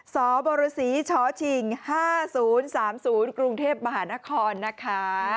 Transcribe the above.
สบศชชิง๕๐๓๐กรุงเทพมหานครนะคะ